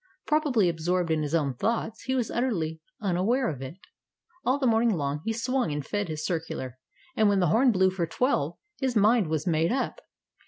Probably, absorbed in his own thoughts, he was utterly unaware of it. All the morning long he swung and fed his circular, and when the horn blew for twelve his mind was made up.